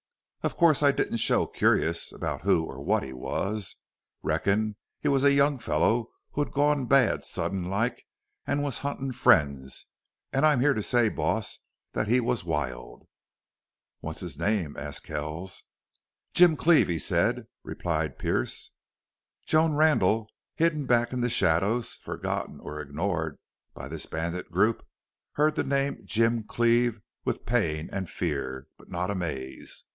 Of course I didn't show curious about who or what he was. Reckoned he was a young feller who'd gone bad sudden like an' was huntin' friends. An' I'm here to say, boss, that he was wild." "What's his name?" asked Kells. "Jim Cleve, he said," replied Pearce. Joan Randle, hidden back in the shadows, forgotten or ignored by this bandit group, heard the name Jim Cleve with pain and fear, but not amaze.